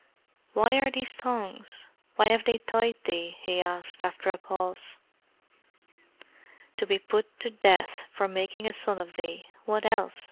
"Why are these thongs? Why have they tied thee?" he asked, after a pause. "To be put to the death for making a son of thee what else?"